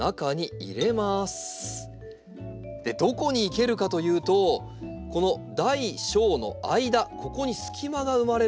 どこに生けるかというとこの大小の間ここに隙間が生まれるんです。